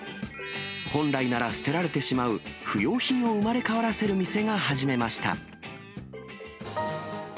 本来なら捨てられてしまう、不用品を生まれ変わらせる店が始めました。